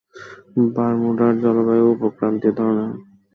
বারমুডার জলবায়ু উপক্রান্তীয় ধরনের।